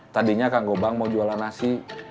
tadinya kang gobang mau jualan nasi